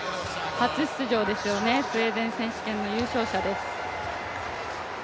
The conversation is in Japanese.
初出場ですよね、スウェーデン選手権の優勝者です。